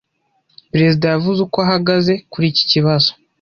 Perezida yavuze uko ahagaze kuri iki kibazo.